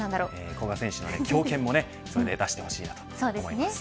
古賀選手の強肩もだしてほしいと思います。